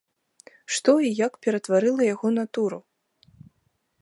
Што і як ператварыла яго натуру?